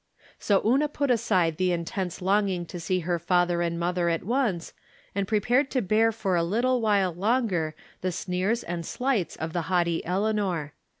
So Una put aside the intense longing to see her father and mother at once, and prepared to bear for a little while longer the sneers and slights of the haughty Eleanor.